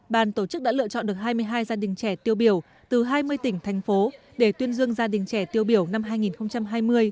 bàn tổ chức đã lựa chọn được hai mươi hai gia đình trẻ tiêu biểu từ hai mươi tỉnh thành phố để tuyên dương gia đình trẻ tiêu biểu năm hai nghìn hai mươi